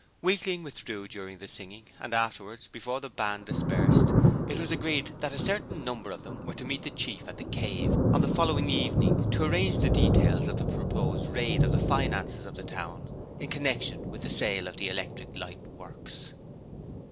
Weakling withdrew during the singing, and afterwards, before the Band dispersed, it was agreed that a certain number of them were to meet the Chief at the Cave, on the following evening to arrange the details of the proposed raid on the finances of the town in connection with the sale of the Electric Light Works.